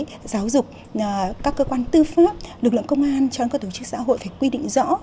của các tổ chức từ ngành lao động thương minh xã hội y tế giáo dục các cơ quan tư pháp lực lượng công an cho nên các tổ chức xã hội phải quy định rõ